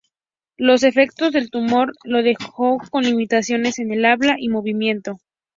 Los efectos del tumor lo dejó con limitaciones en el habla y movimiento.